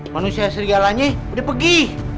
manusia serigalanya udah pergi